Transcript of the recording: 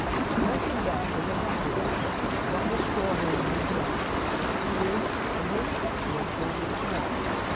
Next to that is the musk rose. Then the strawberry leaves dying, which yield a most excellent cordial smell.